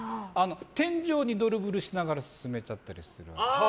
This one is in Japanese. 天井にドリブルしながら進めちゃったりする。